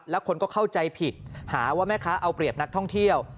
แล้วคนก็เข้าใจผิดหาว่าแม่ค้าเอาเปรียบนักท่องเที่ยว